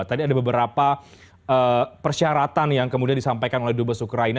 tadi ada beberapa persyaratan yang kemudian disampaikan oleh dubes ukraina